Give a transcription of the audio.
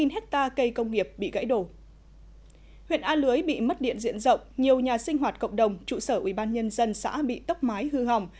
huyện a lưới bị mất điện diện rộng nhiều nhà sinh hoạt cộng đồng trụ sở ubnd xã bị tốc mái hư hỏng